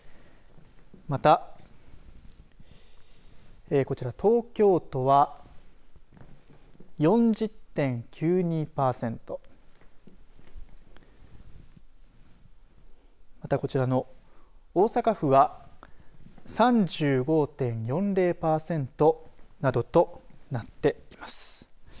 また、こちら東京都は４０．９２パーセントこちらの大阪府は３５．４０パーセントなどとなっています。